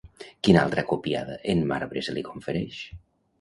Quina altra copiada en marbre se li confereix?